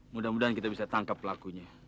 mudah mudahan kita bisa tangkap pelakunya